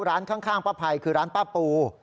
ร้านข้างป้าไพรคือร้านป้าปู